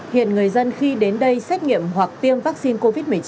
hiện người dân khi đến đây xét nghiệm hoặc tiêm vaccine covid một mươi chín